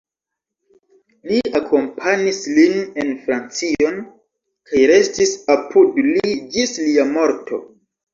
Li akompanis lin en Francion kaj restis apud li ĝis lia morto.